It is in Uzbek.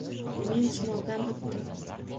Men sinovdan oʻtdim